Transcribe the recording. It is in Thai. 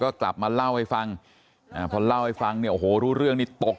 ก็กลับมาเล่าให้ฟังอ่าพอเล่าให้ฟังเนี่ยโอ้โหรู้เรื่องนี่ตก